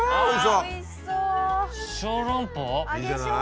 いいじゃない。